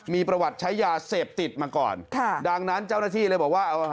มีประวัติใช้ยาเสพติดมาก่อนค่ะดังนั้นเจ้าหน้าที่เลยบอกว่า